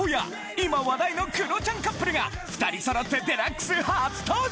今話題のクロちゃんカップルが２人そろって『ＤＸ』初登場！